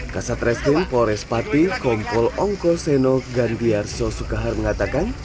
kasat restin pores pati kompol ongko seno gandliar sosukahar mengatakan